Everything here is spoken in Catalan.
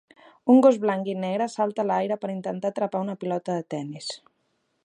Un gos blanc i negre salta a l'aire per intentar atrapar una pilota de tennis.